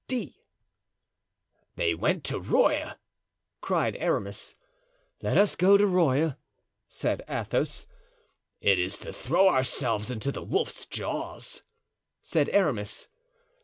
D.." "They went to Rueil," cried Aramis. "Let us go to Rueil," said Athos. "It is to throw ourselves into the wolf's jaws," said Aramis.